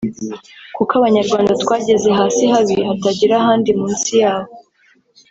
kuko abanyarwanda twageze hasi habi hatagira ahandi munsi yaho